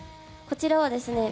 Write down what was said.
こちらは何ですか？